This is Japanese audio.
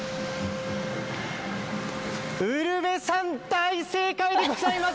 ウルヴェさん、大正解でございます。